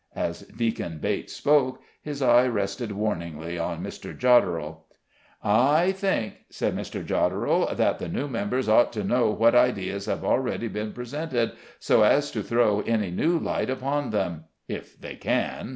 As Deacon Bates spoke, his eye rested warningly on Mr. Jodderel. "I think," said Mr. Jodderel, "that the new members ought to know what ideas have already been presented, so as to throw any new light upon them, if they can.